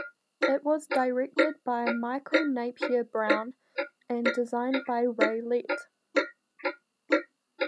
It was directed by Michael Napier Brown and designed by Ray Lett.